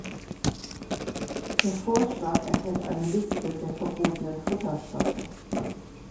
Der Vorschlag enthält eine Liste der verbotenen Futterstoffe.